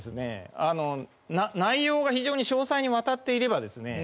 内容が非常に詳細にわたっていればですね